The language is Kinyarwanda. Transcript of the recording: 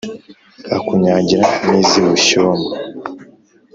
akunyagira n'iz'i bushyoma